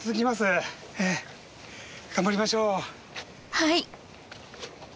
はい。